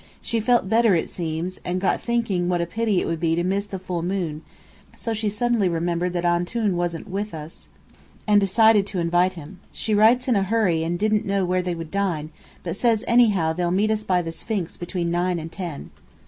She felt better, it seems, and got thinking what a pity it would be to miss the full moon, so she suddenly remembered that 'Antoun' wasn't with us, and decided to invite him. She writes in a hurry and didn't know where they would dine, but says anyhow they'll meet us by the Sphinx between nine and ten."